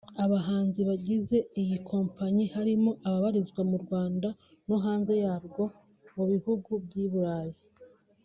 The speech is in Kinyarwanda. Abahanzi bagize iyi kompanyi harimo ababarizwa mu Rwanda no hanze yarwo mu bihugu by’i Burayi